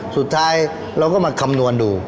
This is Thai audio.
สุดท้ายเราก็มาคำนวณดู